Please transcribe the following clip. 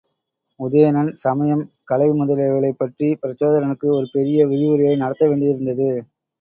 உதயணன் சமயம், கலை முதலியவைகளைப் பற்றிப் பிரச்சோதனனுக்கு ஒரு பெரிய விரிவுரையை நடத்த வேண்டி இருந்தது.